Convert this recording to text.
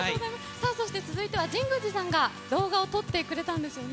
さあそして、続いては神宮寺さんが動画を撮ってくれたんですよね？